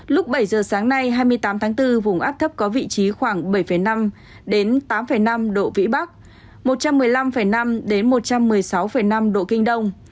lúc bảy giờ sáng nay hai mươi tám tháng bốn vùng áp thấp có vị trí khoảng bảy năm đến tám năm độ vĩ bắc một trăm một mươi năm năm một trăm một mươi sáu năm độ kinh đông